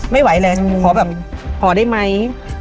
ไม่ไหวเลยขอแบบขอได้ไหม